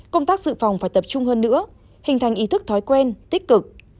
công tác dự phòng phải tập trung hơn nữa hình thành ý thức thói quen tích cực